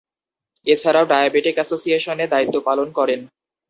এছাড়াও, ডায়াবেটিক অ্যাসোসিয়েশনে দায়িত্ব পালন করেন।